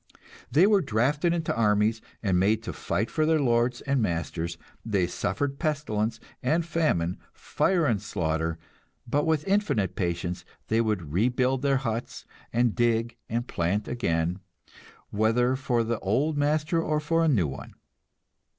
They were drafted into armies, and made to fight for their lords and masters; they suffered pestilence and famine, fire and slaughter; but with infinite patience they would rebuild their huts, and dig and plant again, whether for the old master or for a new one.